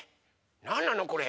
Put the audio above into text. なんなのこれ？